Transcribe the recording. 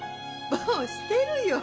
もうしてるよ。